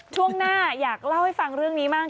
ช่วงหน้าอยากเล่าให้ฟังเรื่องนี้มาก